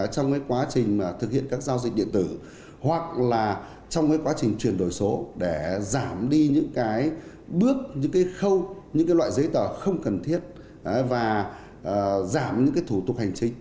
trong quá trình thực hiện các giao dịch điện tử hoặc là trong quá trình chuyển đổi số để giảm đi những bước những khâu những loại giấy tờ không cần thiết và giảm những thủ tục hành chính